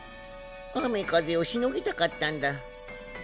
雨風をしのぎたかったんだ。